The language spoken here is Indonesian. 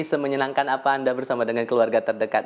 semenyenangkan apa anda bersama dengan keluarga terdekat